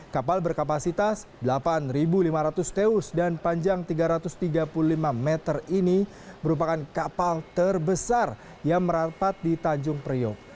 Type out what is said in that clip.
kapal berkapasitas delapan lima ratus teus dan panjang tiga ratus tiga puluh lima meter ini merupakan kapal terbesar yang merapat di tanjung priok